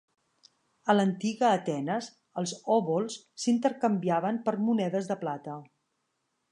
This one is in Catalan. A l'antiga Atenes, els òbols s'intercanviaven per monedes de plata.